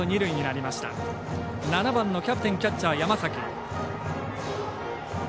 ７番のキャプテンキャッチャー、山崎。